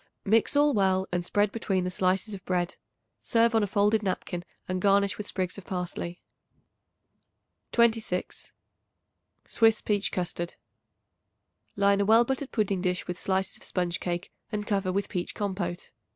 Mix all well and spread between the slices of bread. Serve on a folded napkin and garnish with sprigs of parsley. 26. Swiss Peach Custard. Line a well buttered pudding dish with slices of sponge cake and cover with peach compote.